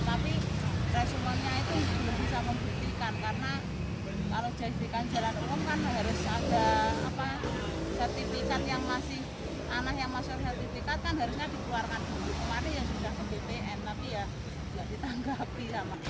tapi ya tidak ditanggapi